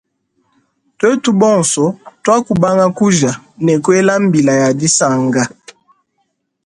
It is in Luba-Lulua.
Twetu bonso twakubanga kuja ne kwela mbila ya disanka.